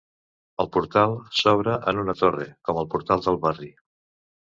El portal s'obre en una torre, com el Portal del Barri.